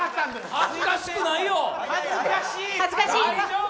恥ずかしくないよ、大丈夫！